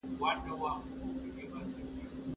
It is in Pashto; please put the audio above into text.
د ارغنداب باغونه ډېر مشهور دي.